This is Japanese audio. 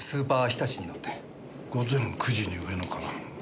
午前９時に上野か。